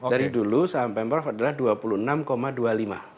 dari dulu saham pemprov adalah rp dua puluh enam dua puluh lima